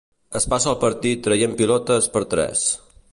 Es passa el partit traient pilotes per tres.